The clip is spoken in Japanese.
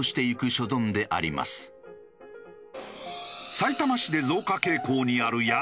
さいたま市で増加傾向にあるヤード業者。